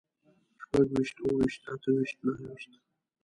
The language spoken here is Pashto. شپږويشت، اووهويشت، اتهويشت، نههويشت